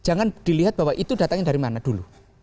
jangan dilihat bahwa itu datangnya dari mana dulu